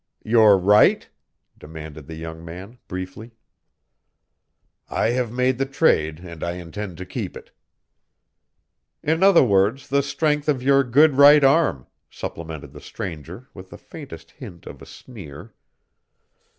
"Your right?" demanded the young man, briefly. "I have made the trade, and I intend to keep it." "In other words, the strength of your good right arm," supplemented the stranger, with the faintest hint of a sneer.